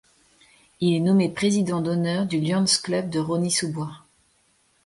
Il est nommé président d’honneur du Lions club de Rosny-sous-Bois.